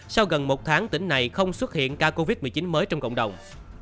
sau gần một tháng tỉnh này không xuất hiện ca covid một mươi chín mới trong cộng đồng